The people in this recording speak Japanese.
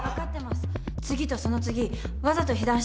次とその次わざと被弾してください。